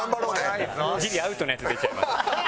ギリアウトなやつ出ちゃいます。